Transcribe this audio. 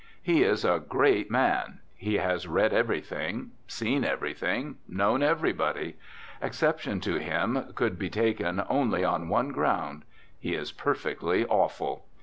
He is a great man; he has read everything; seen everything; known everybody. Exception to him could be taken only on one ground. He is perfectly awful.